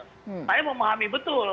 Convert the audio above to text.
saya memahami betul